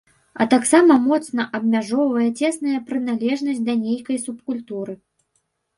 А таксама моцна абмяжоўвае цесная прыналежнасць да нейкай субкультуры.